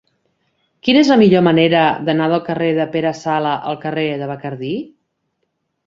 Quina és la millor manera d'anar del carrer de Pere Sala al carrer de Bacardí?